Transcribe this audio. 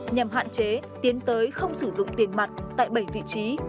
nhằm hạn chế tiến tới không sử dụng tiền mặt tại bảy vị trí